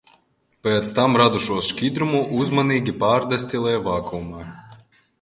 Pēc tam radušos šķidrumu uzmanīgi pārdestilē vakuumā.